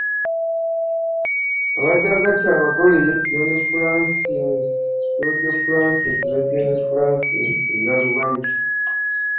Abadde agatta abagole, George Francis ne Jane Francis Nalubayi